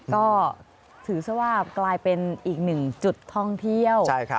ก็ถือซะว่ากลายเป็นอีกหนึ่งจุดท่องเที่ยว